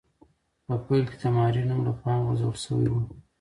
په پیل کې د ماري نوم له پامه غورځول شوی و.